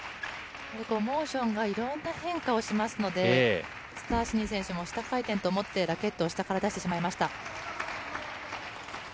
モーションがいろんな変化をしますので、スタシニ選手も下回転と思って、ラケットを下から出してしまいました。